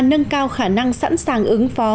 nâng cao khả năng sẵn sàng ứng phó